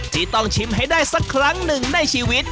ที่ต้องชิมให้ได้สักครั้งหนึ่งในชีวิต